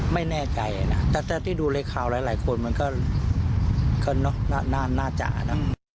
ไม่แน่ใจนะแต่ที่ดูในข่าวหลายคนมันก็น่าจะนะ